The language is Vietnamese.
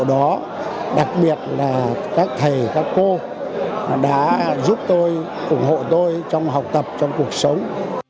ở đó đặc biệt là các thầy các cô đã giúp tôi ủng hộ tôi trong học tập trong cuộc sống